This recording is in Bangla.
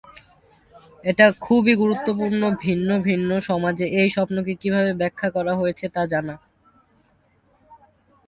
এটা খুবই গুরুত্বপূর্ণ ভিন্ন ভিন্ন সমাজে এই স্বপ্নকে কিভাবে ব্যাখ্যা করা হয়েছে; তা জানা।